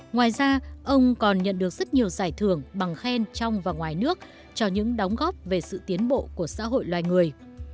ngoài ra ông còn nhận được rất nhiều giải thưởng bằng khen trong và ngoài nước cho những đóng góp về sự tiến bộ của xã hội loài người